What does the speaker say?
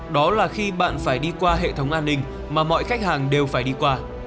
đó là khi bạn phải đi qua hệ thống an ninh mà mọi khách hàng đều phải đi qua